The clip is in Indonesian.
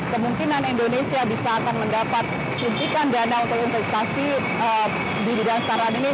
kemungkinan indonesia bisa akan mendapat suntikan dana untuk investasi di bidang startup ini